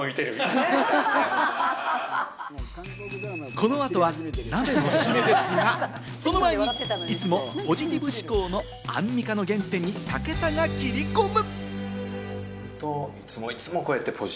この後は鍋のシメですが、その前にいつもポジティブ思考のアンミカの原点に武田が切り込む。